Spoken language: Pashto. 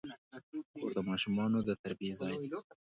کور د ماشومانو د تربیې ځای دی.